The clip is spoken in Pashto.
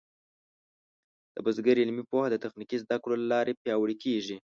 د بزګر علمي پوهه د تخنیکي زده کړو له لارې پیاوړې کېږي.